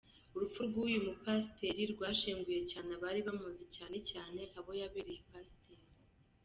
Urupfu rw’uyu mupasiteri rwashenguye cyane abari bamuzi cyane cyane abo yarabereye pasiteri.